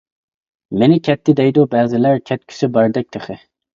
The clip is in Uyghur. مېنى كەتتى دەيدۇ بەزىلەر، كەتكۈسى باردەك تېخى.